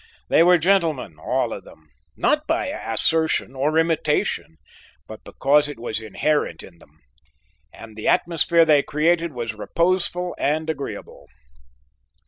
They were gentlemen, all of them, not by assertion or imitation, but because it was inherent in them. And the atmosphere they created was reposeful and agreeable.